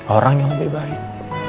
orang yang lebih baik